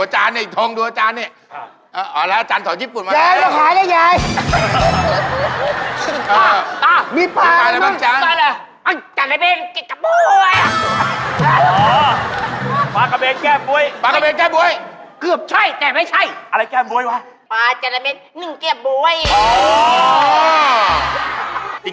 เกือบใช่แต่ไม่ใช่